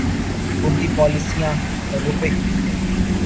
حکومتی پالیسیاں روپے